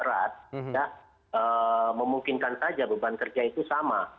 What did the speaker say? tidak memungkinkan saja beban kerja itu sama